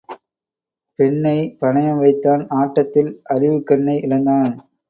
பெண்ணைப் பணயம் வைத்தான் ஆட்டத்தில் அறிவுக்கண்ணை இழந்தான்.